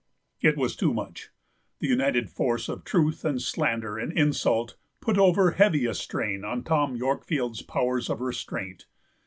It was too much. The united force of truth and slander and insult put over heavy a strain on Tom Yorkfield's powers of restraint.